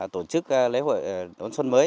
tổ chức lễ hội đón xuân mới